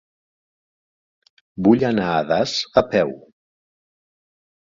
Vull anar a Das a peu.